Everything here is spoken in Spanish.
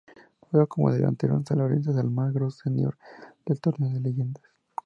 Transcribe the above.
Juega como delantero en San Lorenzo de Almagro Senior del Torneo de Leyendas.